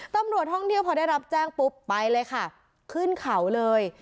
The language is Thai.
ตำรวจท่องเที่ยวพอได้รับแจ้งปุ๊บไปเลยค่ะขึ้นเขาเลย